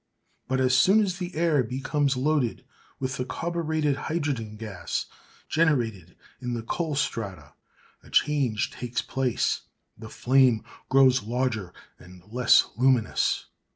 But so soon as the air becomes loaded with the carburetted hydrogen gas generated in the coal strata, a change takes place. The flame grows larger and less luminous.